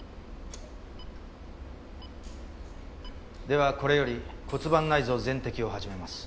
ではこれより骨盤内臓全摘を始めます。